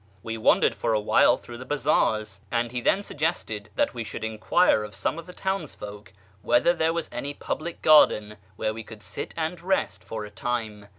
We wandered for a while through the bazaars, and he then suggested that we should enquire of some of the townsfolk whether there was any public garden where we could sit and rest for a time.